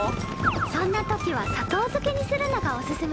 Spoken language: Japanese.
そんな時は砂糖漬けにするのがおすすめだよ。